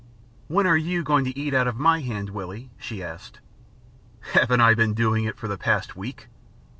'" "When are you going to eat out of my hand, Willie?" she asked. "Haven't I been doing it for the past week?"